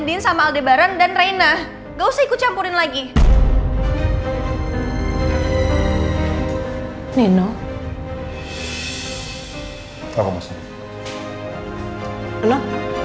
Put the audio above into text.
gue gak mau kejar reina bisa pulang lagi sama reina